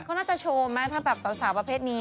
เขาน่าจะโชว์ไหมถ้าแบบสาวประเภทนี้